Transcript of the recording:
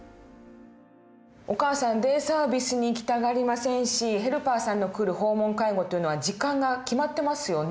お母さんデイサービスに行きたがりませんしヘルパーさんの来る訪問介護というのは時間が決まってますよね。